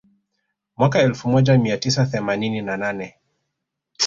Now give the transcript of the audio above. Mwaka elfu moja mia tisa themanini na nane